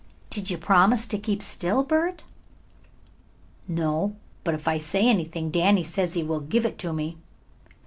"Did you promise to keep still, Bert?" "No, but if I say anything Danny says he will give it to me."